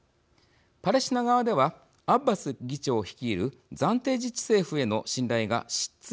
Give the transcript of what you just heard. パレスチナ側ではアッバス議長率いる暫定自治政府への信頼が失墜しています。